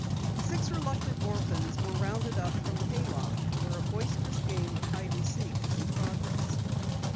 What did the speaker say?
Six reluctant orphans were rounded up from the hay loft where a boisterous game of hide and seek was in progress.